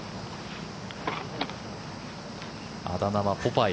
あだ名はポパイ。